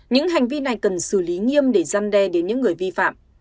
những hành vi này cần xử lý nghiêm để gian đe đến những người vi phạm